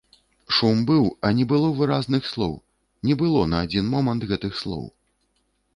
Шум быў, а не было выразных слоў, не было на адзін момант гэтых слоў.